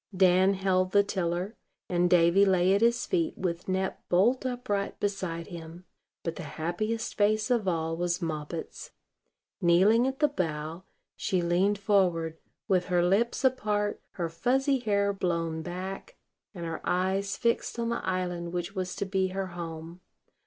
Dan held the tiller, and Davy lay at his feet, with Nep bolt upright beside him; but the happiest face of all was Moppet's. Kneeling at the bow, she leaned forward, with her lips apart, her fuzzy hair blown back, and her eyes fixed on the island which was to be her home.